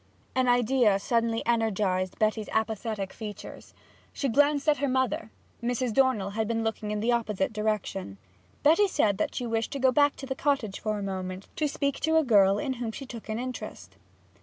An idea suddenly energized Betty's apathetic features. She glanced at her mother; Mrs. Dornell had been looking in the opposite direction. Betty said that she wished to go back to the cottage for a moment to speak to a girl in whom she took an interest.